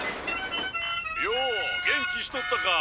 よお元気しとったか。